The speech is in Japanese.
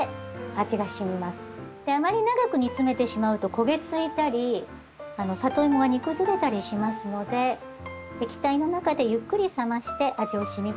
あまり長く煮詰めてしまうと焦げ付いたりサトイモが煮崩れたりしますので液体の中でゆっくり冷まして味を染み込ませて下さい。